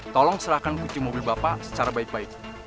tolong serahkan kucing mobil bapak secara baik baik